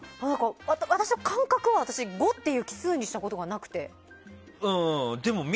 私は感覚は、５っていう奇数にしたことがなくて。